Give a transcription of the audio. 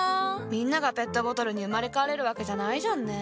みんながペットボトルに生まれ変われるわけじゃないじゃんね。